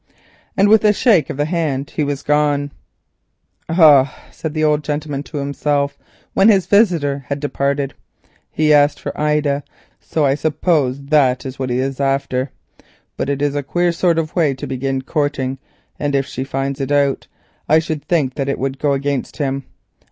And with a shake of the hand he was gone. "Ah!" said the old gentleman to himself when his visitor had departed, "he asked for Ida, so I suppose that is what he is after. But it is a queer sort of way to begin courting, and if she finds it out I should think that it would go against him.